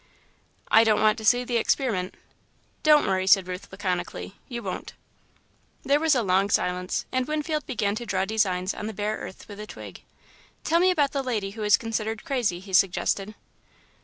"I don't want to see the experiment." "Don't worry," said Ruth, laconically, "you won't." There was a long silence, and Winfield began to draw designs on the bare earth with a twig. "Tell me about the lady who is considered crazy," he suggested.